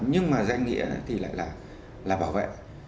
nhưng mà danh nghĩa thì lại là bảo vệ